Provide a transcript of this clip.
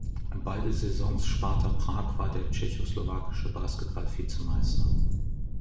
Beide Saisons Sparta Prag war der Tschechoslowakische Basketball Vize-Meister.